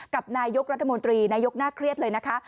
กับนายกรัฐมนตรีนายกน่าเครียดเลยนะคะ